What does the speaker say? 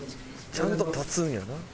ちゃんと立つんやな。